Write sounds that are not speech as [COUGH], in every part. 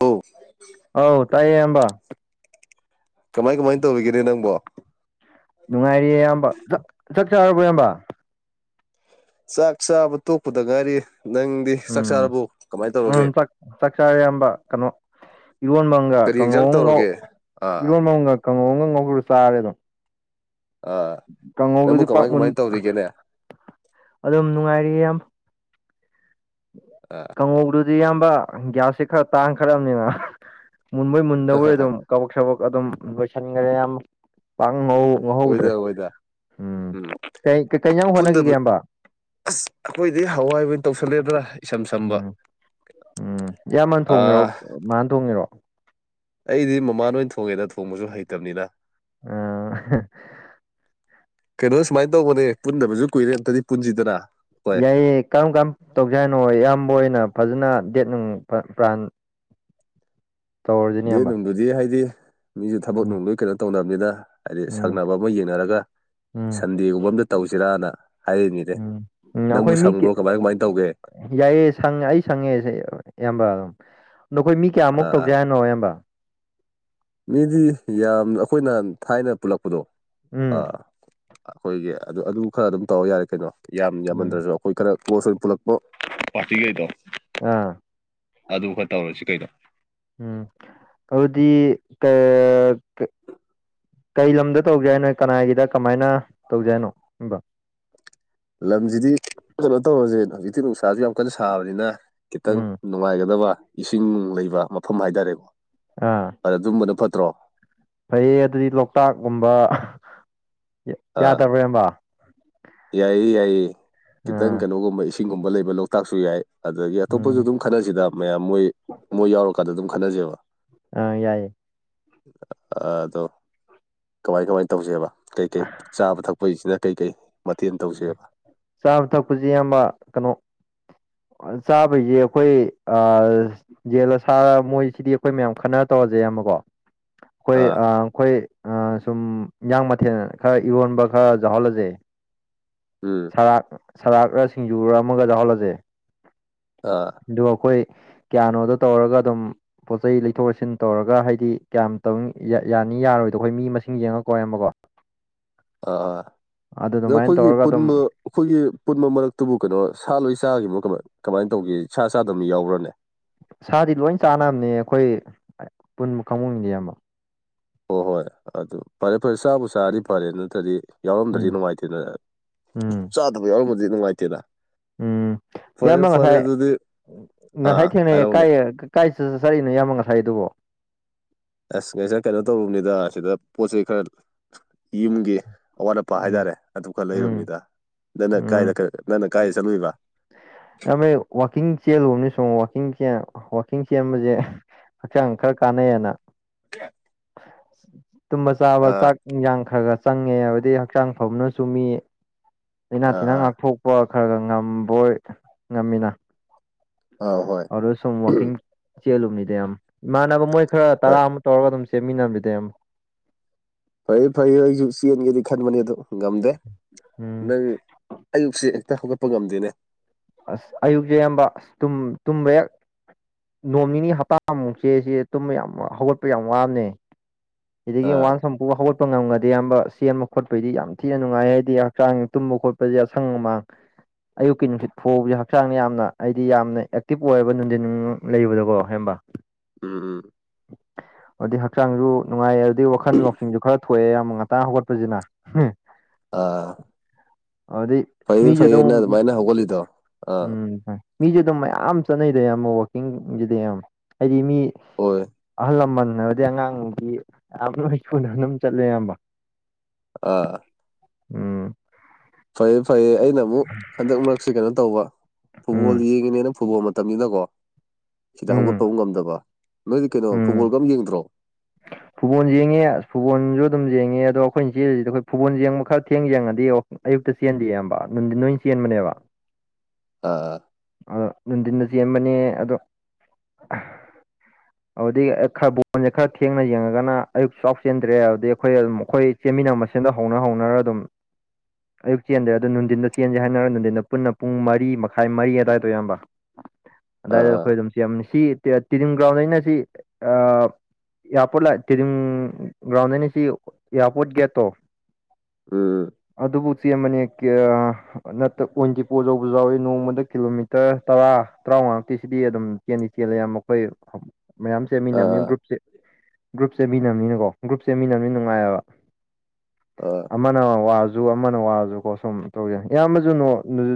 ꯑꯣ ꯑꯥꯎ ꯇꯥꯏꯌꯦ ꯏꯌꯝꯕ꯫ ꯀꯃꯥꯏ ꯀꯃꯥꯏꯅ ꯇꯧꯔꯤꯒꯦ ꯅꯪꯕꯣ꯫ ꯅꯨꯡꯉꯥꯏꯔꯤꯌꯦ ꯏꯌꯥꯝꯕ ꯆꯠ ꯆꯥꯔꯕꯣ ꯏꯌꯥꯝꯕ꯫ ꯆꯥꯛ ꯆꯥꯕ ꯇꯣꯛꯄꯗ ꯉꯥꯔꯤ ꯅꯪꯗꯤ꯫ ꯆꯥꯛ ꯎꯝ ꯆꯥꯔꯕꯣ ꯀꯃꯥꯏ ꯎꯝ ꯇꯧꯔꯒꯦ ꯆꯥꯛꯆꯥꯥ ꯑꯌꯥꯝꯕ ꯀꯩꯅꯣ꯫ ꯏꯔꯣꯟꯕ ꯑꯃꯒ ꯀꯔꯤ ꯌꯦꯟꯖꯥꯡ ꯀꯥꯡꯉꯧ ꯉꯧ ꯇꯧꯔꯒꯦ ꯑꯥ ꯏꯔꯣꯟꯕ ꯑꯝꯒ ꯀꯥꯡꯉꯧ ꯑꯃꯒ ꯉꯧꯔ ꯆꯥꯔꯦ ꯑꯗꯨꯝ꯫ ꯑꯥ ꯅꯪꯕꯨ ꯀꯥꯡꯍꯧꯗꯨꯗꯤ ꯄꯥꯛ ꯀꯃꯥꯏ ꯃꯨꯟ ꯀꯃꯥꯏ ꯇꯧꯔꯤꯒꯦꯅꯦ ꯑꯗꯨꯝ ꯅꯨꯡꯉꯥꯏꯔꯤꯌꯦ ꯏꯌꯥꯝꯕ꯫ ꯎꯝ꯫ ꯑ꯫ ꯀꯉꯧꯗꯨꯗꯤ ꯏꯌꯥꯝꯕ ꯒ꯭ꯌꯥꯁꯁꯦ ꯈꯔ ꯇꯥꯡꯈꯠꯂꯕꯅꯤꯅ ꯃꯨꯟꯕꯣꯏ ꯃꯨꯟꯗꯕꯣꯏ ꯑꯗꯨꯝ꯫ ꯀꯕꯛ ꯁꯕꯛ ꯑꯗꯨꯝ ꯂꯣꯏꯁꯤꯟꯈꯔꯦ ꯏꯌꯥꯝꯕ ꯀꯉꯧ꯫ ꯑꯣꯏꯗ ꯉꯧꯍꯧꯗ꯭ꯔꯦ ꯑꯣꯏꯗ ꯎꯝ ꯀꯩ ꯏꯟꯁꯥꯡ ꯍꯣꯠꯅꯈꯤꯒꯦ ꯄꯨꯟꯗꯕ ꯏꯌꯝꯕ꯫ ꯑꯁ ꯑꯩꯈꯣꯏꯗꯤ ꯍꯋꯥꯏꯕ ꯑꯣꯏꯅ ꯇꯧꯁꯜꯂꯦꯗ꯫ ꯎꯝ ꯎꯝ ꯏꯌꯥꯝꯕꯟ ꯊꯣꯡꯉꯦꯔꯣ ꯑꯥ ꯃꯥꯥꯅ ꯊꯣꯡꯉꯦꯔꯣ꯫ ꯑꯩꯗꯤ ꯃꯃꯥꯅ ꯑꯣꯏꯅ ꯊꯣꯡꯉꯦꯗ ꯊꯣꯡꯕꯁꯨ ꯍꯩꯇꯕꯅꯤꯅ꯫ ꯑ꯫ ꯀꯩꯅꯣ ꯁꯨꯃꯥꯏꯅ ꯇꯧꯕꯅꯦ ꯄꯨꯟꯗꯕꯁꯨ ꯀꯨꯏꯔꯦ ꯑꯝꯇꯗꯤ ꯄꯨꯟꯁꯤꯗꯅ꯫ ꯍꯣꯏ ꯌꯥꯏꯌꯦ ꯀꯔꯝ ꯀꯔꯝ ꯇꯧꯖꯔꯤꯅꯣ ꯑꯌꯥꯝꯕ ꯑꯣꯏꯅ ꯐꯖꯅ ꯗꯦꯠ ꯅꯨꯡ ꯄ꯭ꯔꯥꯟ꯫ ꯗꯦ ꯏꯌꯥꯝꯕ ꯅꯨꯡꯗꯨꯗꯤ ꯍꯥꯏꯗꯤ ꯃꯤꯁꯨ ꯊꯕꯛ ꯎꯝ ꯅꯨꯡꯗꯣꯏ ꯀꯩꯅꯣ ꯇꯧꯅꯕꯅꯤꯅ ꯍꯥꯏꯗꯤ ꯎꯝ ꯁꯛꯅꯕ꯫ ꯑꯃ ꯌꯦꯡꯅꯔꯒ ꯎꯝ ꯁꯟꯗꯦꯒꯨꯝꯕ ꯑꯝꯇ ꯇꯧꯁꯤꯔꯅ꯫ ꯍꯥꯏꯔꯤꯅꯤꯗꯦ ꯎꯝ ꯎꯝ ꯅꯪꯕꯨ ꯑꯩꯈꯣꯏ ꯃꯤ ꯁꯪꯕ꯭ꯔꯣ ꯀꯃꯥꯏ ꯀꯃꯥꯏ ꯇꯧꯒꯦ ꯌꯥꯏꯌꯦ ꯁꯪꯉꯦ ꯑꯩ ꯁꯪꯉꯦ ꯏꯌꯥꯝꯕ ꯑꯗꯣ ꯑꯈꯣꯏ ꯃꯤ ꯀꯌꯥꯃꯨꯛ ꯑꯥ ꯑꯥ ꯇꯧꯖꯦ ꯍꯥꯏꯅꯣ ꯏꯌꯥꯝꯕ ꯃꯤꯗꯤ ꯌꯥꯝ ꯑꯩꯈꯣꯏꯅ ꯊꯥꯏꯅ ꯄꯨꯜꯂꯛꯄꯗꯣ ꯎꯝ ꯑꯥ ꯑꯩꯈꯣꯏꯒꯤ ꯑꯗꯨ ꯑꯗꯨ ꯈꯔ ꯑꯗꯨꯝ ꯇꯧꯔ ꯌꯥꯔꯦ ꯀꯩꯅꯣ ꯌꯥꯝ ꯎꯝ ꯌꯥꯝꯃꯟꯗ꯭ꯔꯁꯨ ꯑꯩꯈꯣꯏ ꯈꯔ ꯀ꯭ꯂꯣꯁ ꯑꯣꯏꯅ ꯄꯨꯠꯂꯛꯄ ꯄꯥꯔꯇꯤꯒꯩꯗꯣ ꯑꯥ ꯑꯗꯨ ꯈꯔ ꯇꯧꯔꯁꯤ ꯀꯩꯅꯣ ꯎꯝ ꯑꯗꯨꯗꯤ ꯀꯥ ꯀꯥ ꯀꯩ ꯂꯝꯗ ꯇꯧꯖꯦ ꯍꯥꯏꯅꯣ ꯀꯅꯥꯏꯒꯤꯗ ꯀꯃꯥꯏꯅ ꯇꯧꯖꯦ ꯍꯥꯏꯅꯣ ꯏꯌꯥꯝꯕ ꯂꯝꯁꯤꯗꯤ ꯀꯩꯅꯣ ꯇꯧꯔꯁꯦ ꯍꯧꯖꯤꯛꯇꯤ ꯅꯨꯡꯁꯥꯁꯨ ꯌꯥꯝ ꯀꯟꯅ ꯁꯥꯕꯅꯤꯅ ꯈꯤꯇꯪ ꯎꯝ ꯅꯨꯡꯉꯥꯏꯒꯗꯕ ꯏꯁꯤꯡ ꯅꯨꯡ ꯂꯩꯕ ꯃꯐꯝ ꯍꯥꯏꯇꯥꯔꯦꯀꯣ ꯑꯥ ꯑꯗ ꯑꯗꯨꯨꯝꯕꯗꯣ ꯐꯠꯇ꯭ꯔꯣ ꯐꯩꯌꯦ ꯑꯗꯨꯗꯤ ꯂꯣꯛꯇꯥꯛꯒꯨꯝꯕ ꯑꯥ ꯌꯥꯗꯕ꯭ꯔꯥ ꯏꯌꯥꯝꯕ ꯌꯥꯏꯌꯦ ꯌꯥꯏꯌꯦ ꯈꯤꯇꯪ ꯑꯥ ꯀꯩꯅꯣꯒꯨꯝꯕ ꯏꯁꯤꯡꯒꯨꯝꯕ ꯂꯩꯕ ꯂꯣꯛꯇꯥꯛꯁꯨ ꯌꯥꯏ ꯑꯗꯨꯗꯒꯤ ꯑꯇꯣꯞꯄꯁꯨ ꯎꯝ ꯑꯗꯨꯝ ꯈꯠꯟꯅꯁꯤꯗ ꯃꯌꯥꯝ ꯃꯣꯏ ꯃꯣꯏ ꯌꯥꯎꯔꯀꯥꯟꯗ ꯑꯗꯨꯝ ꯈꯠꯟꯅꯁꯦꯕ ꯑꯥ ꯌꯥꯏꯌꯦ ꯑꯥ ꯑꯗꯣ ꯀꯃꯥꯏ ꯀꯃꯥꯏ ꯇꯧꯁꯦꯕ ꯀꯩꯀꯩ ꯆꯥꯕ ꯊꯛꯄꯒꯤꯁꯤꯅ ꯀꯩꯀꯩ ꯃꯊꯦꯜ ꯇꯧꯁꯦꯕ ꯆꯥꯕ ꯊꯛꯄꯁꯦ ꯏꯌꯥꯝꯕ ꯀꯩꯅꯣ ꯆꯥꯕꯩꯁꯦ ꯑꯩꯈꯣꯏ ꯑꯥꯁ ꯌꯦꯟꯂ ꯁꯥꯔ ꯃꯣꯏꯁꯤꯗꯤ ꯑꯩꯈꯣꯏ ꯃꯌꯥꯝ ꯈꯟꯅꯔ ꯇꯧꯔꯁꯦ ꯏꯌꯥꯝꯕ ꯀꯣ ꯈꯣꯏ ꯑꯥ ꯈꯣꯏ ꯑꯥ ꯁꯨꯝ ꯏꯟꯖꯥꯡ ꯃꯊꯦꯜ ꯈꯔ ꯏꯔꯣꯟꯕ ꯈꯔ ꯌꯥꯎꯍꯜꯂꯁꯦ ꯎꯝ ꯁꯔꯥꯛ ꯁꯔꯥꯛꯔ ꯁꯤꯡꯖꯨꯔ ꯑꯃꯒ ꯌꯥꯎꯍꯜꯂꯁꯦ ꯑꯥ ꯑꯗꯨꯒ ꯈꯣꯏ ꯀꯤꯌꯥꯅꯣꯗꯣ ꯇꯧꯔꯒ ꯑꯗꯨꯝ ꯄꯣꯠ ꯆꯩꯩ ꯂꯩꯊꯣꯛ ꯂꯩꯁꯤꯟ ꯇꯧꯔꯒ ꯍꯥꯏꯗꯤ ꯀꯌꯥꯝ ꯇꯧ ꯌꯥꯅꯤ ꯌꯥꯔꯣꯏꯗꯣ ꯑꯩꯈꯣꯏ ꯃꯤ ꯃꯁꯤꯡ ꯌꯦꯡꯉꯒ ꯀꯣ ꯏꯌꯥꯝꯕꯀꯣ ꯑꯥ ꯑꯗꯨ ꯑꯗꯣ ꯑꯗꯨꯃꯥꯏꯅ ꯑꯩꯈꯣꯏꯒꯤ ꯇꯧꯔꯒ ꯑꯗꯨꯝ ꯄꯨꯟꯕ ꯑꯩꯈꯣꯏꯒꯤ ꯄꯨꯟꯕ ꯃꯔꯛꯇꯨꯕꯨ ꯀꯩꯅꯣ ꯁꯥ ꯂꯣꯏ ꯆꯥꯈꯤꯕ꯭ꯔꯣ ꯀꯃꯥꯏ ꯀꯃꯥꯏ ꯇꯧꯒꯦ ꯁꯥ ꯆꯥꯗꯕ ꯃꯤ ꯌꯥꯎꯕ꯭ꯔꯅꯦ ꯁꯥꯗꯤ ꯂꯣꯏ ꯆꯥꯅꯕꯅꯦ ꯑꯩꯈꯣꯏ ꯄꯨꯟꯕ ꯀꯥꯡꯕꯨꯗꯣ ꯏꯌꯥꯝꯕ ꯍꯣꯏ ꯍꯣꯏ ꯑꯗꯨ ꯐꯔꯦ ꯐꯔꯦ ꯆꯥꯕꯨ ꯆꯥꯔꯗꯤ ꯐꯔꯦ ꯅꯠꯇ꯭ꯔꯗꯤ ꯌꯥꯎꯔꯝꯗ꯭ꯔꯗꯤ ꯎꯝ ꯅꯨꯡꯉꯥꯏꯇꯦꯅ ꯎꯝ ꯆꯥꯗꯕ ꯌꯥꯎꯔꯝꯃꯗꯤ ꯅꯨꯡꯉꯥꯏꯇꯦꯅ ꯎꯝ ꯏꯌꯥꯝꯕ ꯉꯁꯥꯏ ꯑꯥ ꯉꯁꯥꯏ ꯊꯦꯡꯅꯩꯌꯦ ꯍꯥꯏꯔꯛꯎꯅꯦ ꯀꯥꯏꯌꯦ ꯀꯥꯏ ꯆꯠ ꯆꯠ ꯆꯠꯂꯤꯅꯣ ꯏꯌꯥꯝꯕ ꯉꯁꯥꯏꯗꯨꯕꯣ ꯑꯁ ꯉꯁꯥꯏ ꯀꯩꯅꯣ ꯇꯧꯔꯨꯕꯅꯤꯗ ꯁꯤꯗ ꯄꯣꯠ ꯆꯩ ꯈꯔ ꯌꯨꯝꯒꯤ ꯑꯋꯥꯠ ꯑꯄꯥ ꯎꯝ ꯍꯥꯏꯇꯥꯔꯦ ꯑꯗꯨ ꯈꯔ ꯎꯝ ꯂꯩꯔꯨꯃꯤꯗ ꯅꯪꯅ ꯎꯝ ꯀꯥꯏꯗ ꯀꯩ ꯅꯪꯅ ꯀꯥꯏꯗ ꯆꯠꯂꯨꯏꯕ ꯏꯌꯥꯝꯕ ꯑꯩ ꯋꯥꯛꯀꯤꯡ ꯆꯦꯜꯂꯨꯕꯅꯤ ꯁꯨꯝ ꯋꯥꯛꯀꯤꯡ ꯆꯦꯟ ꯋꯥꯛꯀꯤꯡ ꯆꯦꯟꯕꯁꯦ ꯍꯛꯆꯥꯡ ꯈꯔ ꯀꯥꯟꯅꯩꯌꯦꯅ ꯇꯨꯝꯕ ꯆꯥꯕ ꯑꯥ ꯆꯥꯛ ꯏꯟꯁꯥꯡ ꯈꯔ ꯈꯔ ꯆꯪꯉꯦ ꯍꯥꯏꯕꯗꯤ ꯍꯛꯆꯥꯡ ꯐꯕꯅꯁꯨ ꯃꯤ ꯂꯩꯥꯅꯥ ꯑꯥ ꯇꯤꯟꯅꯥ ꯑꯥ ꯉꯥꯛꯊꯣꯛ- ꯄ ꯈꯔ ꯈꯔ ꯉꯝꯕꯣꯏ ꯉꯝꯃꯤꯅ ꯑꯥ ꯍꯣꯏ ꯑꯗꯣ ꯁꯨꯝ ꯋꯥꯛꯀꯤꯡ ꯆꯦꯜꯂꯨꯕꯅꯤꯗ ꯏꯌꯥꯝꯕ ꯏꯃꯥꯟꯅꯕ ꯃꯣꯏ ꯈꯔ ꯍꯣꯏ ꯇꯔꯥ ꯇꯧꯔꯒ ꯑꯗꯨꯝ ꯆꯦꯟꯃꯤꯟꯅꯕꯅꯤꯗ ꯏꯌꯥꯝꯕ ꯐꯩꯌꯦ ꯐꯩꯌꯦ ꯑꯩꯁꯨ ꯆꯦꯟꯒꯦꯗꯤ ꯈꯟꯕꯅꯦ ꯑꯗꯨ ꯉꯝꯗꯦ ꯎꯝ ꯅꯪ ꯑꯌꯨꯛꯁꯦ ꯍꯦꯛꯇ ꯍꯧꯒꯠꯄ ꯉꯝꯗꯦꯅꯦ ꯑꯁ ꯑꯌꯨꯛꯁꯦ ꯏꯌꯥꯝꯕ ꯇꯨꯝ ꯇꯨꯝꯕ ꯍꯦꯛ ꯅꯣꯡ ꯅꯤꯅꯤ ꯍꯞꯇꯥꯃꯨꯛꯁꯦ ꯁꯦ ꯇꯨꯝꯕ ꯌꯥꯝ ꯍꯧꯒꯠꯄ ꯌꯥꯝ ꯋꯥꯕꯅꯦ ꯁꯤꯗꯒꯤ ꯑꯥ ꯋꯥꯟꯁ ꯑꯃꯨꯛ ꯍꯧꯒꯠꯄ ꯉꯝꯒꯗꯦ ꯏꯌꯥꯝꯕ ꯁꯦꯟꯕ ꯈꯣꯠꯄꯩꯗꯤ ꯌꯥꯝ ꯊꯤꯅ ꯅꯨꯡꯉꯥꯏ ꯍꯥꯏꯗꯤ ꯍꯛꯆꯥꯡ ꯇꯨꯝꯕ ꯈꯣꯠꯄꯁꯦ ꯑꯁꯪ ꯑꯃꯥꯟ ꯑꯌꯨꯛꯀꯤ ꯅꯨꯡꯁꯤꯠ ꯐꯨꯎꯕꯁꯦ ꯍꯛꯆꯥꯡꯗ ꯌꯥꯝꯅ ꯑꯩꯗꯤ ꯌꯥꯝꯅ ꯑꯦꯛꯇꯤꯞ ꯑꯣꯏꯌꯦꯕ ꯅꯨꯡꯊꯤꯟ ꯂꯩꯕꯗꯣꯀꯣ ꯍꯩꯝꯕ ꯎꯝ ꯎꯝ ꯑꯗꯨꯩ ꯍꯛꯆꯥꯡꯁꯨ ꯅꯨꯡꯉꯥꯏꯌꯦ ꯑꯗꯨꯗꯤ ꯋꯥꯈꯜ ꯂꯧꯁꯤꯡꯁꯨ ꯈꯔ ꯊꯣꯛꯑꯦ ꯌꯥꯝ ꯉꯥꯛꯇꯥꯡ ꯍꯧꯒꯠꯄꯁꯤꯅ ꯑꯥ ꯑꯣꯗꯤ ꯐꯩꯌꯦ ꯐꯩꯌꯦ ꯃꯤꯗꯣ ꯅꯪ ꯑꯗꯨꯃꯥꯏꯅ ꯍꯧꯒꯠꯂꯤꯗꯣ ꯑꯥ ꯎꯝ ꯃꯤꯁꯦ ꯑꯗꯨꯝ ꯃꯌꯥꯝ ꯆꯠꯅꯩꯗ ꯌꯥꯝ ꯋꯥꯛꯀꯤꯡꯁꯤꯗꯤ ꯌꯥꯝ ꯍꯥꯏꯗꯤ ꯃꯤ ꯍꯣꯏ ꯑꯍꯜ ꯂꯃꯟ ꯍꯥꯏꯕꯗꯤ ꯑꯉꯥꯡꯗꯤ ꯌꯥꯝ ꯂꯣꯏ ꯀꯨꯅ ꯑꯗꯨꯝ ꯆꯠꯂꯦ ꯑꯌꯥꯝꯕ ꯑ ꯎꯝ ꯐꯩꯌꯦ ꯐꯩꯌꯦ ꯑꯩꯅ ꯑꯃꯨꯛ ꯍꯟꯗꯛ ꯃꯔꯛꯁꯤꯦ ꯀꯩꯅꯣ ꯇꯧꯕ ꯐꯨꯠꯕꯣꯜ ꯎꯝ ꯌꯦꯡꯉꯤꯅꯦꯅ ꯐꯨꯠꯕꯣꯜ ꯅꯤꯅꯀꯣ ꯁꯤꯗ ꯍꯧꯒꯠꯄ ꯎꯝ ꯉꯝꯗꯕ ꯅꯣꯏꯗꯤ ꯀꯩꯅꯣ ꯐꯨꯠꯕꯣꯜꯒ ꯑꯃ ꯌꯦꯡꯗ꯭ꯔꯣ ꯐꯨꯠꯕꯣꯜꯡꯉꯦ ꯐꯨꯕꯣꯟꯁꯨ ꯑꯗꯨꯝ ꯌꯦꯡꯉꯦ ꯑꯗꯣ ꯑꯩꯈꯣꯏꯅ ꯆꯦꯜꯂꯤꯁꯤꯗ ꯑꯩꯈꯣꯏ ꯐꯨꯠꯕꯣꯜ ꯌꯦꯡꯕ ꯈꯔ ꯊꯦꯡ ꯌꯦꯡꯉꯗꯤꯡ ꯑꯌꯨꯛꯇ ꯆꯦꯟꯗꯦꯕꯅꯨꯡꯗꯤ ꯅꯣꯏ ꯆꯦꯟꯕꯅꯦꯕ ꯑꯥ ꯑ ꯅꯨꯡꯊꯤꯤꯟꯗ ꯆ ꯁꯦꯝꯕꯅꯦ ꯑꯗꯣ [UNINTELLIGIBLE] ꯑꯗꯨꯗꯤ ꯈ ꯕꯣꯟꯁꯦ ꯈꯔ ꯊꯦꯡꯅ ꯌꯦꯡꯉꯒꯅ ꯑꯌꯨꯛꯁꯨ ꯆꯦꯟꯗ꯭ꯔꯦ ꯑꯗꯨꯩ ꯑꯩꯈꯣꯏ ꯑꯗꯨꯝ ꯑꯩꯈꯣꯏ ꯆꯦꯟꯃꯤꯟꯅ ꯃꯁꯦꯟꯗꯣ ꯍꯧꯅ ꯍꯧꯅꯔꯒ ꯑꯗꯨꯝ [UNINTELLIGIBLE] ꯑꯌꯨꯛ ꯆꯦꯟꯗ꯭ꯔꯦ ꯑꯗꯨꯣ ꯅꯨꯡꯊꯤꯟꯗ ꯆꯦꯟꯁꯦ ꯍꯥꯏꯅꯔ ꯅꯨꯡꯊꯤꯟꯗ ꯄꯨꯟꯅ ꯄꯨꯡ ꯃꯔꯤ ꯃꯈꯥꯏ ꯃꯔꯤ ꯑꯗꯨꯗꯥꯏꯗꯣ ꯑꯌꯥꯝꯕ ꯑꯗꯨꯋꯥꯏꯗ ꯑꯥ ꯑꯩꯈꯣꯏ ꯑꯗꯨꯝ ꯌꯥꯝ ꯁꯤ ꯇꯤꯗꯤꯝ ꯒ꯭ꯔꯥꯎꯟꯗꯩꯅ ꯁꯤ ꯏꯌꯥꯔꯄꯣꯔꯠ ꯂꯥꯛꯑꯦ ꯇꯤꯗꯤꯝ ꯒ꯭ꯔꯥꯎꯟꯗꯅꯤ ꯁꯤ ꯏꯌꯥꯔꯄꯣꯔꯠ ꯒꯦꯠꯇꯣ ꯎ ꯑꯗꯨꯕꯨ ꯆꯦ ꯑꯃꯅꯦ ꯅꯠꯇꯗꯤꯄꯣꯆꯧꯕꯁꯨ ꯌꯥꯎꯋꯦ ꯅꯣꯡꯃꯗ ꯀꯤꯂꯣꯃꯤꯇꯔ ꯇꯔꯥ ꯇꯔꯥꯃꯉꯥꯀꯤꯁꯤꯗꯤ ꯑꯗꯨꯝ ꯆꯦꯜꯂꯤ ꯆꯦꯜꯜꯂꯤꯦ ꯌꯥꯝ ꯃꯈꯣꯏ ꯃꯌꯥꯝ ꯆꯦꯃꯤꯟꯅꯕꯅꯤꯅ ꯑꯥ ꯒ꯭ꯔꯨꯞꯁꯦ ꯒ꯭ꯔꯨꯞ ꯁꯦꯝꯦꯃꯤꯅꯕꯅꯤꯅꯀꯣ ꯒ꯭ꯔꯨꯞ ꯁꯦꯝꯦꯃꯤꯅꯕꯅꯤꯅ ꯅꯨꯡꯉꯥꯏꯑꯕ ꯑ ꯑꯃꯅ ꯋꯥꯔꯁꯨ ꯑꯃꯅ ꯋꯥꯔꯁꯨꯀꯣ ꯁꯨꯝ ꯇꯧ ꯌꯥꯏ ꯏꯌꯥꯝꯕꯁꯨ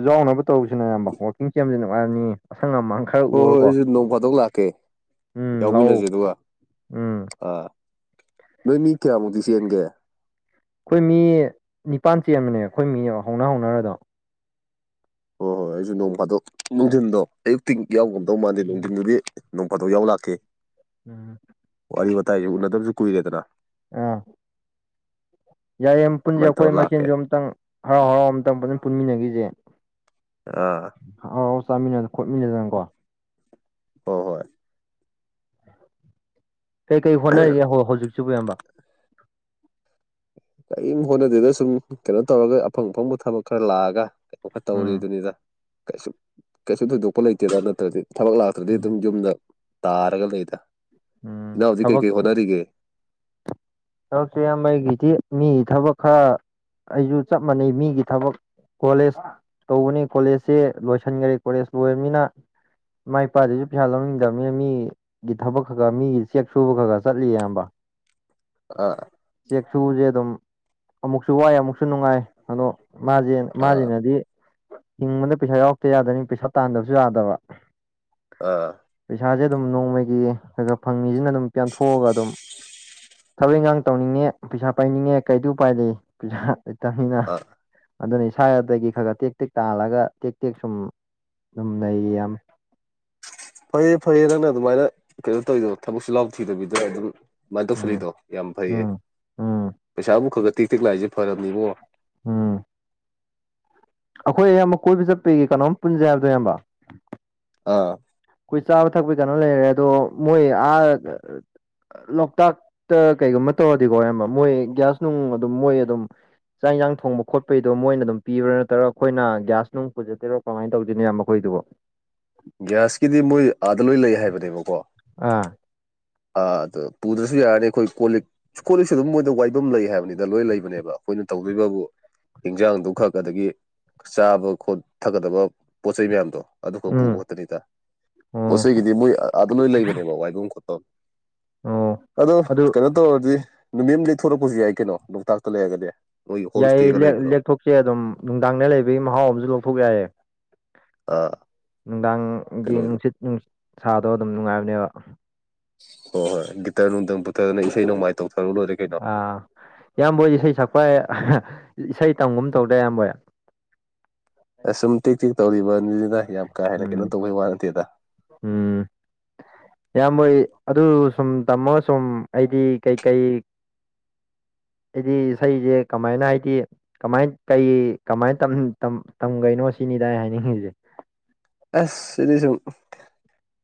ꯌꯥꯎꯅꯕ ꯇꯧꯁꯤꯅ ꯑꯌꯥꯝꯕ ꯋꯥꯋꯀꯤꯡ ꯆ ꯌꯥꯝꯖꯦꯟ ꯋꯥꯔꯅꯤ ꯑꯁꯪ ꯑꯃ ꯍꯣꯏ ꯍꯣꯏ ꯑꯩꯁꯨ ꯅꯣꯡ ꯐꯥꯗꯣꯛ ꯂꯥꯛꯀꯦ ꯎꯝ ꯌꯥꯎꯃꯤꯟꯅꯁꯦ ꯂꯥꯛꯑꯣ ꯑꯗꯨꯒ ꯎꯝ ꯑꯥ ꯅꯣꯏ ꯃꯤ ꯀꯌꯥꯃꯨꯛꯇꯤ ꯆꯦꯟꯒꯦ ꯑꯩꯈꯣꯏ ꯃꯤ ꯅꯤꯄꯥꯟ ꯆꯦꯟ ꯑꯃꯅꯦ ꯑꯩꯈꯣꯏ ꯃꯤ ꯍꯧꯅ ꯍꯧꯅꯔꯗꯣ ꯍꯣꯏ ꯍꯣꯏ ꯑꯩꯁꯨ ꯅꯣꯡ ꯐꯥꯗꯣꯛ ꯅꯨꯡꯊꯤꯟꯗꯣ ꯑꯌꯨꯛꯇꯤ ꯌꯥꯎꯒꯝꯗꯧ ꯃꯥꯟꯗꯦ ꯎꯝ ꯅꯨꯡꯊꯤꯟꯗꯨꯗꯤ ꯅꯣꯡ ꯐꯗꯧ ꯌꯥꯎ ꯂꯥꯛꯈꯤ ꯎꯝ ꯋꯥꯔꯤ ꯋꯥꯇꯥꯏꯁꯦ ꯎꯅꯗꯕꯁꯨ ꯀꯨꯏꯔꯦꯗꯅ ꯑꯥ ꯌꯥꯏꯌꯦ ꯄꯨꯟꯁꯦ ꯑꯗꯨꯃꯥꯏꯅ ꯇꯧꯔ ꯑꯩꯈꯣꯏ ꯂꯥꯛꯀꯦ ꯃꯆꯦꯟꯁꯨ ꯑꯝꯇꯪ ꯍꯔꯥꯎ ꯍꯔꯥꯎ ꯑꯃꯇꯪ ꯄꯨꯖꯟꯅ ꯄꯨꯟꯃꯤꯟꯅꯈꯤꯁꯦ ꯑ ꯑꯥꯎ ꯑꯥꯎ ꯆꯥꯃꯤꯟꯅꯗ ꯈꯣꯠꯃꯤꯟꯅꯗꯅꯪꯀꯣ ꯍꯣꯏ ꯍꯣꯏ ꯀꯩ ꯀꯔꯤ ꯍꯣꯠꯅꯔꯤꯒꯦ ꯍ ꯍꯧꯖꯤꯛꯁꯤꯕꯨ ꯏ ꯀꯔꯤꯝ ꯍꯣꯠꯅꯗꯗ ꯁꯨꯝ ꯀꯩꯅꯣ ꯇꯧꯔꯒ ꯑꯐꯪ ꯑꯐꯪꯕ ꯊꯕꯛ ꯈꯔ ꯂꯥꯛꯑꯒ ꯋꯥꯈꯠ ꯎꯝ ꯇꯧꯔꯤꯗꯨꯅꯤꯗ ꯀꯩꯁꯨ ꯀꯩꯁꯨ ꯊꯣꯏꯗꯣꯛꯄ ꯂꯩꯇꯦꯗ ꯅꯠꯇ꯭ꯔꯗꯤ ꯊꯕꯛ ꯂꯥꯛꯇ꯭ꯔꯗꯤ ꯑꯗꯨꯝ ꯌꯨꯝꯗ ꯇꯥꯔꯒ ꯂꯩꯗ ꯎꯝ ꯏꯅꯥꯎꯖꯤ ꯊꯕꯛ ꯀꯩꯀꯩ ꯍꯣꯠꯅꯔꯤꯒꯦ ꯊꯕꯛꯁꯦ ꯑꯌꯥꯝꯕꯩꯒꯤꯗꯤ ꯃꯤ ꯊꯕꯛ ꯈꯔ ꯑꯩꯁꯨ ꯆꯞ ꯃꯥꯟꯅꯩ ꯃꯤꯒꯤ ꯊꯕꯛ ꯀꯣꯂꯦꯖ ꯇꯧꯕꯅꯤ ꯀꯣꯂꯦꯖꯁꯦ ꯂꯣꯏꯁꯤꯟꯈꯔꯦ ꯀꯣꯂꯦꯖ ꯂꯣꯏꯔꯕꯅꯤꯅ ꯏꯃꯥ ꯏꯄꯥꯗꯁꯨ ꯄꯩꯁꯥ ꯂꯧꯅꯤꯡꯗꯕꯅꯤ ꯃꯤ ꯒꯤ ꯊꯕꯛ ꯈꯔ ꯈꯔ ꯃꯤꯒꯤ ꯆꯦꯛ ꯁꯨꯕ ꯈꯔ ꯈꯔ ꯆꯠꯂꯤꯌꯦ ꯑꯌꯥꯝꯕ ꯑꯥ ꯆꯦꯛꯁꯨꯕꯖꯦ ꯑꯗꯨꯝ ꯑꯃꯨꯛꯁꯨ ꯋꯥꯏ ꯑꯃꯨꯛꯁꯨ ꯅꯨꯡꯉꯥꯏ ꯑꯗꯣ ꯃꯥꯖꯦ ꯑꯥ ꯃꯥꯖꯤꯅꯗꯤ ꯍꯤꯡꯕꯗ ꯄꯩꯁꯥ ꯌꯥꯎꯔꯛꯇ ꯌꯥꯗꯕꯅꯤꯅ ꯄꯩꯁꯥ ꯇꯥꯟꯗꯕꯁꯨ ꯌꯥꯗꯕ ꯑꯥ ꯄꯩꯁꯥꯖꯦ ꯑꯗꯨꯝ ꯅꯣꯡꯃꯒꯤ ꯈꯈꯥ ꯐꯪꯉꯤꯖꯅ ꯑꯗꯨꯝ ꯄꯦꯟꯊꯣꯛꯑꯒ ꯑꯗꯨꯝ ꯊꯕꯛ ꯏꯟꯈꯥꯡ ꯇꯧꯅꯤꯡꯉꯦ ꯄꯩꯁꯥ ꯄꯥꯏꯅꯤꯡꯉꯦ ꯀꯩꯗꯤ ꯎꯄꯥꯏ ꯂꯩ ꯄꯩꯁꯥ ꯂꯩꯇꯝꯅꯤꯅ ꯑꯥ ꯑꯗꯨꯅ ꯏꯁꯥꯋꯥꯗꯒꯤ ꯈꯔ ꯈꯔ ꯇꯦꯛ ꯇꯦꯛ ꯇꯥꯜꯂꯒ ꯇꯦꯛ ꯇꯦꯛ ꯁꯨꯝ ꯑꯗꯨꯝ ꯂꯩꯔꯤ ꯌꯥꯝ ꯐꯩꯌꯦ ꯐꯩꯌꯦ ꯅꯪꯅ ꯑꯗꯨꯃꯥꯏꯅ ꯀꯩꯅꯣ ꯇꯧꯔꯤꯗꯣ ꯊꯕꯛ ꯆꯤꯜꯍꯥꯎ ꯊꯤꯗꯕꯤꯗ ꯑꯗꯨꯝ ꯑꯗꯨꯃꯥꯏ ꯎꯝ ꯇꯧꯁꯜꯂꯤꯗꯣ ꯌꯥꯝ ꯐꯩꯌꯦ ꯎꯝ ꯎꯝ ꯄꯩꯁꯥꯕꯨ ꯈ ꯈ ꯇꯦꯛ ꯇꯦꯛ ꯂꯥꯛꯏꯁꯦ ꯐꯔꯕꯅꯤ ꯏꯕꯨꯡꯉꯣ ꯎꯝ ꯑꯩꯈꯣꯏ ꯏꯌꯥꯝꯕ ꯀꯣꯏꯕ ꯆꯠꯄꯒꯤ ꯀꯩꯅꯣꯝ ꯄꯨꯟꯖꯦ ꯍꯥꯏꯕꯗꯣ ꯏꯌꯥꯝꯕ ꯑꯥ ꯑꯩꯈꯣꯏ ꯆꯥꯕ ꯊꯛꯄꯒꯤ ꯀꯩꯅꯣ ꯂꯩꯔꯦ ꯑꯗꯣ ꯃꯣꯏ ꯑꯥ ꯂꯣꯛꯇꯥꯛꯇ ꯀꯩꯒꯨꯝꯕ ꯇꯧꯔꯗꯤꯀꯣ ꯏꯌꯥꯝꯕ ꯃꯣꯏ ꯒ꯭ꯌꯥꯁ ꯅꯨꯡ ꯑꯗꯨꯝ ꯃꯣꯏ ꯑꯗꯨꯝ ꯆꯥꯛ ꯏꯟꯖꯥꯡ ꯊꯣꯡꯕ ꯈꯣꯠꯄꯩꯗꯣ ꯃꯣꯏꯅ ꯑꯗꯨꯝ ꯄꯤꯕ꯭ꯔꯥ ꯅꯠꯇ꯭ꯔꯒ ꯑꯩꯈꯣꯏꯅ ꯒ꯭ꯌꯥꯁ ꯅꯨꯡ ꯄꯨꯖꯗꯣꯏꯔꯣ ꯀꯃꯥꯏꯟ ꯇꯧꯗꯣꯏꯅꯣ ꯏꯌꯥꯝꯕ ꯈꯣꯏꯗꯨꯕꯨ ꯒ꯭ꯌꯥꯁꯀꯤꯗꯤ ꯃꯣꯏ ꯑꯥꯗ ꯂꯣꯏ ꯂꯩ ꯍꯥꯏꯕꯅꯦꯕꯀꯣ ꯑꯥ ꯑ ꯑꯗ ꯄꯨꯗ꯭ꯔꯁꯨ ꯌꯥꯔꯅꯤ ꯑꯩꯈꯣꯏ ꯀꯣ ꯂꯤꯛ ꯀꯣ ꯂꯤꯛꯁꯨ ꯑꯗꯨꯝ ꯃꯣꯏꯗ ꯋꯥꯏꯕꯝ ꯂꯩ ꯍꯥꯏꯕꯅꯤ ꯗ ꯂꯣꯏ ꯂꯩꯕꯅꯦꯕ ꯑꯩꯈꯣꯏꯅ ꯇꯧꯗꯣꯏꯕꯕꯨ ꯏꯟꯖꯥꯡꯗꯨꯈꯛ ꯑꯗꯒꯤ ꯆꯥꯕ ꯈꯣꯠ ꯊꯛꯀꯗꯕ ꯄꯣꯠ ꯆꯩꯩ ꯃꯌꯥꯝꯗꯣ ꯑꯗꯨꯈꯛ ꯄꯨꯕ ꯎꯝ ꯈꯠꯇꯅꯤꯗ ꯄꯣꯠ ꯑꯣ ꯆꯩꯒꯤꯗꯤ ꯃꯣꯏ ꯑꯥꯗ ꯂꯣꯏ ꯂꯩꯕꯅꯦꯕ ꯋꯥꯏꯕꯝ ꯈꯣꯠꯐꯝ ꯑꯣ ꯑꯗꯣ ꯑꯗꯨ ꯀꯩꯅꯣ ꯇꯧꯔꯗꯤ ꯅꯨꯃꯤꯠ ꯑꯃꯗꯤ ꯂꯦꯛꯊꯣꯔꯛꯄꯖꯨ ꯌꯥꯏ ꯀꯩꯅꯣ ꯂꯣꯛꯇꯥꯛꯇ ꯂꯩꯔꯒꯗꯤ ꯅꯣꯏꯒꯤ ꯍꯣꯝ ꯌꯥꯏꯌꯦ ꯏꯁꯇꯦꯒ ꯂꯦꯛ ꯂꯩꯕꯗꯣ ꯂꯦꯛꯊꯣꯛꯁꯦ ꯑꯗꯨꯝ ꯅꯨꯡꯗꯥꯡꯗ ꯂꯩꯕꯒꯤ ꯃꯍꯥꯎ ꯑꯃꯖꯨ ꯂꯧꯊꯣꯛ ꯌꯥꯏ ꯑꯥ ꯅꯨꯡꯗꯥꯡꯒꯤ ꯀꯩꯅꯣ ꯅꯨꯡꯁꯤꯠ ꯅꯨꯡꯁꯥꯗꯣ ꯑꯗꯨꯝ ꯅꯨꯡꯉꯥꯏꯕꯅꯦꯕ ꯍꯣꯏ ꯍꯣꯏ ꯒꯤꯇꯔ ꯅꯨꯡꯗꯪ ꯄꯨꯊꯗꯅ ꯏꯁꯩ ꯅꯣꯡꯃꯥꯏ ꯇꯧꯊꯔꯥ ꯂꯣꯏꯔꯦ ꯀꯩꯅꯣ ꯑꯥ ꯏꯌꯥꯝꯕꯍꯣꯏ ꯏꯁꯩ ꯁꯛꯄ ꯏꯁꯩ ꯇꯝꯒꯨꯝ ꯇꯧꯗꯥꯏ ꯏꯌꯥꯝꯕꯣꯏ ꯑꯁ ꯁꯨꯝ ꯇꯦꯛ ꯇꯦꯛ ꯇꯧꯔꯤꯕꯅꯤꯗ ꯌꯥꯝ ꯀꯥ ꯍꯦꯟꯅ ꯀꯩꯅꯣ ꯎꯝ ꯇꯧꯕꯩ ꯋꯥ ꯅꯠꯇꯦꯗ ꯎꯝ ꯏꯌꯥꯝꯕꯍꯣꯏ ꯑꯗꯨ ꯁꯨꯝ ꯇꯝꯃꯒ ꯁꯨꯝ ꯑꯩꯗꯤ ꯀꯩꯀꯩ ꯑꯩꯗꯤ ꯏꯁꯩꯖꯦ ꯀꯃꯥꯏꯅ ꯍꯥꯏꯗꯤ ꯀꯃꯥꯏ ꯀꯩ ꯀꯃꯥꯏ ꯇꯝ ꯇꯝ ꯇꯝꯒꯩꯅꯣ ꯁꯤꯅꯤꯗ ꯑꯩ ꯍꯥꯏꯅꯤꯡꯉꯤꯖꯦ ꯑꯁ ꯁꯤꯗꯤ ꯁꯨꯝ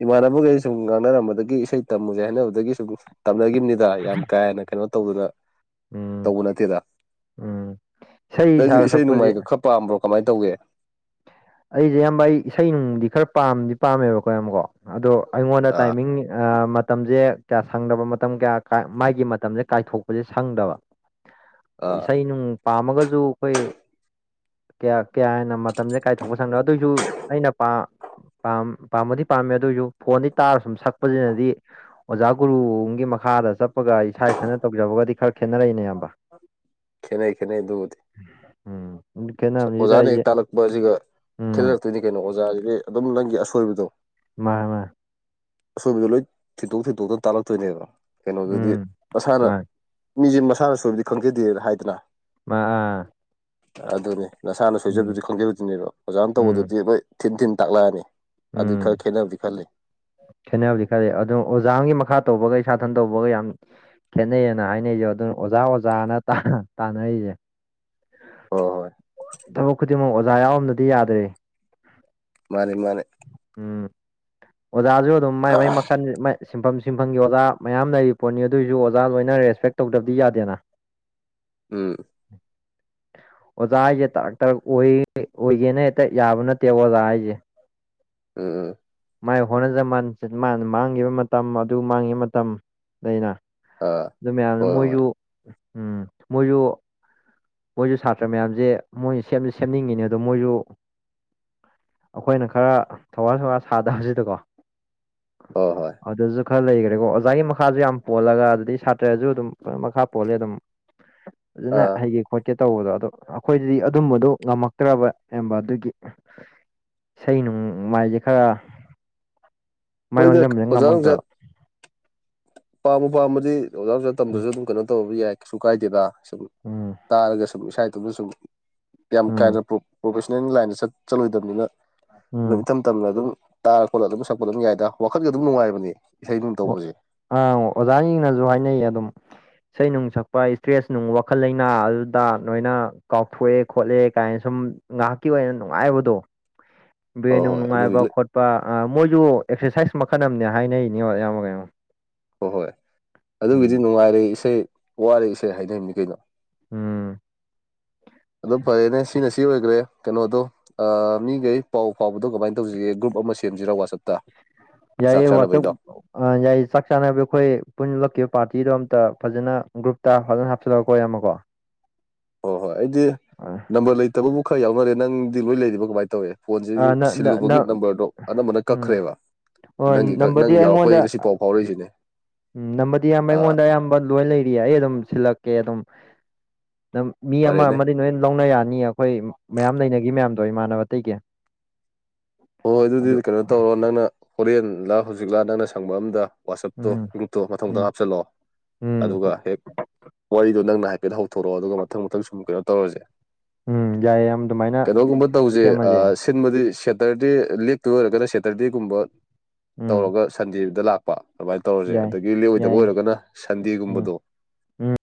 ꯏꯃꯥꯟꯅꯕꯈꯒꯩ ꯁꯨꯝ ꯉꯥꯡꯅꯔꯝꯕꯗꯒꯤ ꯏꯁꯩ ꯇꯝꯃꯨꯖꯦ ꯍꯥꯏꯅꯕꯗꯒꯤ ꯁꯨꯝ ꯇꯝꯅꯒꯤꯝꯅꯤꯗ ꯌꯥꯝ ꯀꯥ ꯍꯦꯟꯅ ꯀꯩꯅꯣ ꯇꯧꯗꯅ ꯎꯝ ꯇꯧꯕ ꯅꯠꯇꯦꯗ ꯎꯝ ꯅꯪꯖꯨ ꯁꯥ ꯏꯁꯩ ꯁꯛꯄꯁꯦ ꯅꯣꯡꯃꯥꯏꯒ ꯈꯔ ꯄꯥꯝꯕ꯭ꯔꯣ ꯀꯃꯥꯏ ꯇꯧꯒꯦ ꯑꯩꯖꯦ ꯏꯌꯥꯝꯕ ꯑꯩ ꯏꯁꯩ ꯅꯨꯡꯗꯤ ꯈꯔ ꯄꯥꯝꯗꯤ ꯄꯥꯝꯃꯦꯕꯀꯣ ꯏꯌꯥꯝꯕꯀꯣ ꯑꯗꯣ ꯑꯩꯉꯣꯟꯗ ꯑꯥ ꯇꯥꯏꯃꯤꯡ ꯑ ꯃꯇꯝꯖꯦ ꯀꯌꯥ ꯁꯪꯗꯕ ꯃꯇꯝ ꯀꯌꯥ ꯀꯥ ꯃꯥꯥꯏꯒꯤ ꯃꯇꯝꯖꯦ ꯀꯥꯏꯊꯣꯛꯄꯖꯦ ꯁꯪꯗꯕ ꯑꯥ ꯏꯁꯩ ꯅꯨꯡ ꯄꯥꯝꯃꯒꯖꯨ ꯈꯣꯏ ꯀꯌꯥ ꯀꯌꯥ ꯍꯦꯟꯅ ꯃꯠ ꯃꯇꯝꯖꯦ ꯀꯥꯏꯊꯣꯛꯣꯛꯄ ꯁꯪꯗꯕ ꯑꯗꯨꯏꯖꯨ ꯑꯩꯅ ꯄꯥ ꯄꯥꯝ ꯄꯥꯝꯕꯨꯗꯤ ꯄꯥꯝꯃꯦ ꯑꯗꯨꯏꯖꯨ ꯐꯣꯟꯗꯩ ꯇꯥꯔ ꯁꯨꯝ ꯁꯛꯄꯖꯤꯅꯗꯤ ꯑꯣꯖꯥ ꯒꯨꯔꯨ ꯑꯝꯒꯤ ꯃꯈꯥꯗ ꯆꯠꯄꯒ ꯏꯁꯥ ꯏꯊꯅ ꯇꯧꯖꯕꯒꯗꯤ ꯈꯔ ꯈꯦꯠꯅꯔꯛꯏꯅꯦ ꯏꯌꯥꯝꯕ ꯈꯦꯠꯅꯩ ꯈꯦꯠꯅꯩ ꯗꯨꯕꯨꯗꯤ ꯎꯝ ꯈꯦꯠꯅꯕꯖꯤꯗ ꯑꯩꯖꯦ ꯁꯤꯒ ꯊꯤꯜꯂꯛꯇꯣꯏꯅꯤ ꯀꯩꯅꯣ ꯑꯣꯖꯥꯁꯤꯗꯤ ꯑꯗꯨꯝ ꯅꯪꯒꯤ ꯑꯁꯣꯏꯕꯗꯣ ꯃꯥ ꯃꯥ ꯑꯁꯣꯝꯗ ꯂꯣꯏ ꯊꯤꯟꯠꯇꯣꯛ ꯊꯤꯟꯇꯣꯛꯇꯅ ꯇꯥꯜꯂꯛꯇꯣꯏꯅꯦꯕ ꯀꯩꯅꯣꯗꯨꯗꯤ ꯎꯝ ꯃꯁꯥꯅ ꯃꯥꯅꯦ ꯃꯤꯁꯦ ꯃꯁꯥꯅ ꯁꯣꯏꯕꯗꯤ ꯈꯪꯖꯗꯦꯅ ꯍꯥꯏꯗꯅ ꯑ ꯑ ꯑꯗꯨꯅꯦ ꯅꯁꯥꯅ ꯁꯣꯏꯖꯕꯗꯤ ꯎꯝ ꯈꯪꯖꯕꯗꯨꯅꯦꯕ ꯑꯣꯖꯥꯅ ꯎꯝ ꯇꯧꯕꯗꯨꯗꯤ ꯍꯣꯏ ꯊꯤꯟ ꯊꯤꯟ ꯇꯥꯛꯂꯛꯑꯅꯤ ꯑꯗꯨꯏ ꯎꯝ ꯈꯔ ꯈꯦꯠꯅꯕꯗꯤ ꯈꯜꯂꯤ ꯈꯦꯠꯅꯕꯗꯤ ꯈꯔꯜꯂꯤꯦ ꯑꯗꯨꯣ ꯑꯣꯖꯥ ꯑꯃꯒꯤ ꯃꯈꯥ ꯇꯧꯕꯒ ꯁꯥꯊꯟ ꯇꯧꯕꯒ ꯌꯥꯝ ꯈꯦꯠꯅꯩꯌꯦꯅ ꯍꯥꯏꯅꯩꯁꯦ ꯑꯗꯨꯅ ꯑꯣꯖꯥ ꯑꯣꯖꯥꯅ ꯇꯥꯅꯔꯤꯁꯦ ꯎ ꯍꯣꯏ ꯍꯣꯏ ꯊꯕꯛ ꯈꯨꯗꯤꯡꯃꯛ ꯑꯣꯖꯥ ꯌꯥꯎꯔꯝꯗꯗꯤ ꯌꯥꯗ꯭ꯔꯦ ꯃꯥꯅꯦ ꯃꯥꯅꯦ ꯎꯝ ꯑꯣꯖꯥꯁꯨ ꯑꯗꯨꯝ ꯃꯥꯏ ꯃꯩ ꯃꯈꯜ ꯁꯤꯟꯐꯝ ꯁꯤꯟꯐꯝꯒꯤ ꯑꯣꯖꯥ ꯃꯌꯥꯝ ꯂꯩꯔꯤꯕꯔꯤ ꯄꯣꯠꯅꯤ ꯑꯗꯨꯑꯣꯏꯁꯨ ꯑꯣꯖꯥ ꯂꯣꯏꯅ ꯔꯦꯁꯄꯦꯛ ꯇꯧꯗꯕꯗꯤ ꯌꯥꯗꯦꯅ ꯎꯝ ꯑꯣꯖ ꯇꯛ ꯑꯣꯏꯒꯦꯅ ꯍꯦꯛꯇ ꯌꯥꯕ ꯅꯠꯇꯦꯕ ꯑꯣꯖꯥ ꯍꯥꯏꯁꯦ ꯎ ꯃꯥꯏ ꯍꯣꯠꯅꯖꯃꯟ ꯃꯥꯅ ꯃꯥꯡꯈꯤꯕ ꯃꯇꯝ ꯑꯗꯨ ꯃꯥꯡꯈꯤꯕ ꯃꯇꯝ ꯑꯩꯅ ꯑꯥ ꯑꯗꯨ ꯃꯌꯥꯝꯅ ꯍꯣꯏ ꯍꯣꯏ ꯃꯣꯏꯁꯨ ꯎꯝ ꯃꯣꯏꯁꯨ ꯃꯣꯏꯁꯨ ꯁꯥꯇ꯭ꯔ ꯃꯌꯥꯝꯁꯦ ꯃꯣꯏ ꯁꯦꯝꯅꯤꯡꯉꯤꯅꯦ ꯑꯗꯣ ꯃꯣꯏꯁꯨ ꯑꯩꯈꯣꯏꯅ ꯈꯔ ꯊꯋꯥꯏ ꯁꯧꯋꯥ ꯁꯥꯗꯕꯁꯤꯗꯀꯣ ꯍꯣꯏ ꯍꯣꯏ ꯑꯗꯨꯁꯨ ꯈꯔ ꯂꯩꯈꯔꯦꯀꯣ ꯑꯣꯖꯥꯒꯤ ꯃꯈꯥꯁꯨ ꯌꯥꯝ ꯄꯣꯜꯂꯒ ꯑꯗꯨꯗꯩ ꯁꯥꯇ꯭ꯔꯁꯨ ꯑꯗꯨꯝ ꯃꯈꯥ ꯄꯣꯜꯂꯦ ꯑꯗꯨꯝ [UNINTELLIGIBLE] ꯑꯗꯨꯅ ꯍꯥꯏꯒꯦ ꯈꯣꯠꯀꯦ ꯇꯧꯕꯗꯣ ꯑꯗꯣ ꯑꯩꯈꯣꯏꯗꯗꯤ ꯑꯗꯨꯝꯕꯗꯨꯣ ꯉꯝꯃꯛꯇ꯭ꯔꯕ ꯑꯕ ꯑꯗꯨꯒꯤ ꯏꯁꯩ ꯅꯨꯡ ꯃꯥꯏꯁꯦ ꯈꯔ ꯃꯥꯏ ꯍꯣꯏꯗ ꯑꯣꯟꯁꯤꯟꯕꯁꯅ ꯉꯝꯃꯛꯇꯕ ꯄꯥꯝꯃ ꯄꯥꯝꯃꯗꯤ ꯑꯣꯖꯥ ꯑꯣꯖꯥ ꯎꯝ ꯇꯝꯗ꯭ꯔꯁꯨ ꯑꯗꯨꯝ ꯀꯩꯅꯣ ꯇꯧꯕꯗꯤ ꯌꯥꯏ ꯀꯩꯁꯨ ꯀꯥꯏꯗꯦꯗ ꯁꯨꯝ ꯎꯝ ꯇꯥꯔꯒ ꯁꯨꯝ ꯏꯁꯥ ꯏꯗꯨꯨꯗ ꯁꯨꯝ ꯌꯥꯝ ꯎꯝ ꯀꯥꯏꯅ ꯄ꯭ꯔ ꯄ꯭ꯔꯣꯐꯦꯁꯅꯦꯜ ꯂꯥꯏꯟꯗ ꯆ ꯆꯠꯂꯣꯏꯗꯕꯅꯤꯅ ꯎꯝ ꯏꯊꯝ ꯇꯝꯅ ꯑꯗꯨꯝ ꯇꯥꯔ ꯈꯣꯠꯂꯒ ꯑꯗꯨꯝ ꯁꯛꯄꯠ ꯑꯗꯨꯝ ꯌꯥꯏꯗ ꯋꯥꯈꯠꯀ ꯑꯗꯨꯝ ꯅꯨꯡꯉꯥꯏꯕꯅꯤ ꯏꯁꯩ ꯅꯨꯡ ꯇꯧꯕꯁꯦ ꯑꯪ ꯑꯣꯖꯥꯁꯤꯡꯅꯁꯨ ꯍꯥꯏꯅꯩ ꯑꯗꯨꯝ ꯏꯁꯩ ꯅꯨꯡ ꯁꯛꯄ ꯏꯁꯇ꯭ꯔꯦꯁ ꯅꯨꯡ ꯋꯥꯈꯜ ꯂꯩꯅꯥ ꯑꯗꯨꯗ ꯅꯣꯏꯅ ꯀꯥꯎꯊꯣꯛꯑꯦ ꯈꯣꯠꯂꯦ ꯀꯥꯏꯅ ꯁꯨꯝ ꯉꯥꯏꯍꯥꯛꯀꯤ ꯑꯣꯏꯅ ꯅꯨꯡꯉꯥꯏꯕꯗꯣ ꯍꯣꯏ ꯕ꯭ꯔꯦꯟꯅꯨꯡ ꯍꯣꯏ ꯑꯗꯨꯒꯤ ꯅꯨꯡꯉꯥꯏꯕ ꯈꯣꯠꯄ ꯃꯣꯏꯁꯨ ꯑꯦꯛꯁꯔꯁꯥꯏꯁ ꯃꯈꯜ ꯑꯃꯅꯦ ꯍꯥꯏꯅꯩꯅꯦꯉꯣ ꯑꯌꯥꯝꯃꯣꯒꯣ ꯍꯣꯏ ꯍꯣꯏ ꯑꯗꯨꯒꯤꯗꯤ ꯅꯨꯡꯉꯥꯏꯔꯦ ꯏꯁꯩ ꯋꯥꯔꯦ ꯏꯁꯩ ꯍꯥꯏꯅꯕꯅꯤ ꯀꯩꯅꯣ ꯎꯝ ꯑꯗꯨꯝ ꯐꯔꯦꯅꯦ ꯁꯤꯅ ꯁꯤ ꯑꯣꯏꯈ꯭ꯔꯦ ꯀꯩꯅꯣꯗꯣ ꯃꯤꯈꯩ ꯄꯥꯎ ꯐꯥꯎꯕꯗꯣ ꯀꯃꯥꯏꯅ ꯇꯧꯁꯤꯒꯦ ꯒ꯭ꯔꯨꯞ ꯑꯃ ꯁꯦꯝꯁꯤꯔꯥ ꯋꯥꯆꯞꯇ ꯆꯥꯛ ꯌꯥꯏꯌꯦ ꯋꯥꯁ ꯆꯥꯅꯕꯩꯗꯣ ꯑ ꯌꯥꯏꯌꯦ ꯆꯥꯛ ꯆꯥꯅꯕ ꯑꯩꯈꯣꯏ ꯄꯨꯟꯟꯅ ꯂꯛꯈꯤꯕ ꯄꯥꯔꯇꯤꯗꯣ ꯑꯝꯇ ꯐꯖꯅ ꯒ꯭ꯔꯨꯞꯇ ꯐꯖꯅ ꯍꯥꯞꯆꯤꯜꯂꯛꯒꯀ ꯑꯣꯏꯔꯝꯃꯀꯣ ꯍꯣꯏ ꯍꯣꯏ ꯑꯩꯗꯤ ꯑ ꯅꯝꯕꯔ ꯂꯩꯇꯕꯕꯨ ꯈꯔ ꯌꯥꯎꯅꯔꯦ ꯅꯪꯗꯤ ꯂꯣꯏ ꯂꯩꯔꯤꯕ ꯀꯃꯥꯏꯅ ꯇꯧꯋ ꯐꯣꯟꯁꯤꯁꯨ ꯑ ꯅ ꯅ ꯅ ꯁꯤꯜꯂꯨꯕꯒꯤ ꯅꯝꯕꯔꯗꯣ ꯑꯅꯝꯕꯅ ꯎꯝ ꯀꯛꯈ꯭ꯔꯦꯕ ꯍꯣꯏ ꯅꯪꯒꯤ ꯅꯪ ꯅꯝꯕꯔꯗꯤ ꯌꯥꯎꯔꯛꯄꯩ ꯑꯩꯉꯣꯟꯗ ꯉꯁꯤꯐꯥꯎ ꯍꯧꯧꯔꯣꯏꯁꯤꯅꯦ ꯎꯝ ꯅꯝꯕꯗꯤ ꯑꯌꯥꯝꯕ ꯑꯩꯉꯣꯟꯗ ꯑꯌꯥꯝꯕ ꯂꯣꯏ ꯂꯩꯔꯤ ꯑꯩ ꯑꯗꯨꯝ ꯁꯤꯜꯂꯛꯀꯦ ꯑꯗꯨꯝ ꯅ ꯃꯤ ꯑꯃ ꯐꯔꯦꯅꯦ ꯑꯃꯗꯤ ꯂꯣꯏꯅ ꯂꯧꯅ ꯌꯥꯅꯤ ꯑꯩꯈꯣꯏ ꯃꯌꯥꯝ ꯂꯩꯅꯈꯤ ꯃꯌꯥꯝꯗꯣ ꯏꯃꯥꯟꯅꯕ ꯀꯇꯩꯀ ꯍꯣꯏ ꯍꯣꯏ ꯑꯗꯨꯗꯤ ꯀꯩꯅꯣ ꯇꯧꯔꯣ ꯅꯪꯅ ꯍꯣꯔꯦꯟ ꯂꯥ ꯍꯧꯖꯤꯛꯂꯥ ꯅꯪꯅ ꯁꯪꯕ ꯑꯝꯗ ꯋꯥꯆꯞꯇꯣ ꯎꯝ ꯒ꯭ꯔꯨꯞꯇꯣ ꯎꯝ ꯃꯊꯊꯧꯗꯪ ꯍꯥꯞꯆꯜꯂꯛꯑꯣ ꯎꯝ ꯑꯗꯨꯒ ꯍꯦꯛ ꯋꯥꯔꯤꯗꯣ ꯅꯪꯅ ꯍꯥꯏꯐꯦꯠ ꯍꯧ ꯊꯣꯛꯣꯔꯛꯑꯣ ꯑꯗꯨꯒ ꯃꯊꯪ ꯃꯊꯪ ꯁꯨꯝ ꯀꯩꯅꯣ ꯇꯧꯔꯁꯦ ꯎꯝ ꯌꯥꯏ ꯌꯥꯝ ꯑꯗꯨꯃꯥꯏꯅ ꯀꯩꯅꯣꯒꯨꯝꯕ ꯇꯧꯁꯦ ꯁꯦꯝꯃꯁꯦ ꯁꯤꯟꯕꯗꯤ ꯁꯦꯇꯔꯗꯦ ꯂꯦꯛꯇꯗ ꯑꯣꯏꯔꯒꯅ ꯁꯦꯇꯔꯗꯦꯒꯨꯝꯕ ꯎꯝ ꯇꯧꯔꯒ ꯁꯟꯗꯦꯗ ꯂꯥꯛꯄ ꯑꯗꯨꯃꯥꯏꯅ ꯇꯧꯔꯁꯦ ꯌꯥꯏ ꯑꯗꯒꯤ ꯂꯑꯣꯏꯗꯕ ꯌꯥꯏ ꯑꯣꯏꯔꯒꯅ ꯎꯝ ꯁꯟꯗꯦꯒꯨꯝꯕꯗꯣ ꯎꯝ